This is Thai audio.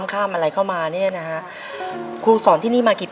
ในแคมเปญพิเศษเกมต่อชีวิตโรงเรียนของหนู